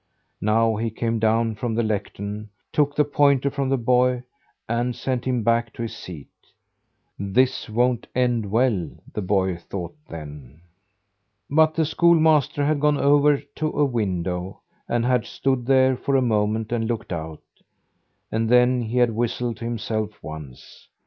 Now he came down from the lectern, took the pointer from the boy, and sent him back to his seat. "This won't end well," the boy thought then. But the schoolmaster had gone over to a window, and had stood there for a moment and looked out, and then he had whistled to himself once.